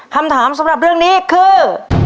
คำถามสำหรับเรื่องนี้คือ